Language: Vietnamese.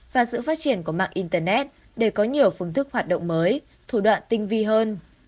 và sự phát triển của mạng internet để có nhiều phương thức hoạt động mới thủ đoạn tinh vi hơn